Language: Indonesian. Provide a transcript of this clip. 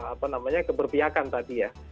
apa namanya keberpiakan tadi ya